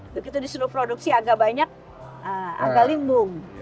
begitu disuruh produksi agak banyak agak limbung